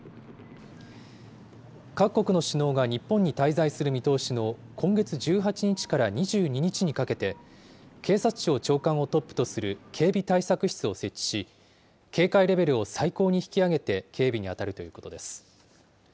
各国の首脳が日本に滞在する見通しの今月１８日から２２日にかけて、警察庁長官をトップとする警備対策室を設置し、警戒レベルを最高に引き上げて警備に当たるということです。